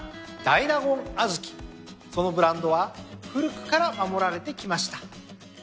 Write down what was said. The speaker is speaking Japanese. そのブランドは古くから守られてきました。